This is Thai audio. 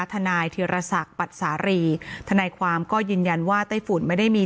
ทนายธิรศักดิ์ปัดสารีทนายความก็ยืนยันว่าไต้ฝุ่นไม่ได้มี